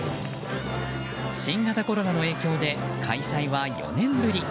新型コロナの影響で開催は４年ぶり。